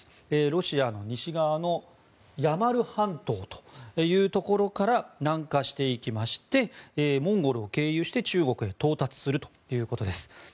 ロシアの西側のヤマル半島というところから南下していきましてモンゴルを経由して中国へ到達するということです。